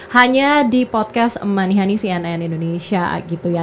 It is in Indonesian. hanya di podcast money honey cnn indonesia gitu ya